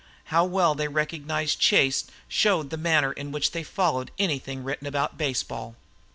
How well they recognized Chase showed the manner in which they followed anything written about baseball.